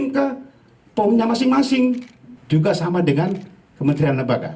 pemiliknya masing masing juga sama dengan kementerian nebaga